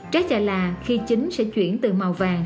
trái trà lạ khi chín sẽ chuyển từ màu vàng